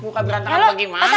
muka belantakan bagaimana